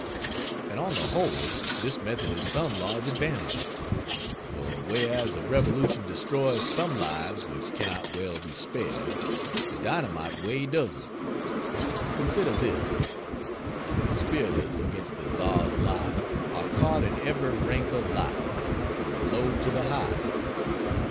And on the whole this method has some large advantages; for whereas a revolution destroys some lives which cannot well be spared, the dynamite way doesn't. Consider this: the conspirators against the Czar's life are caught in every rank of life, from the low to the high.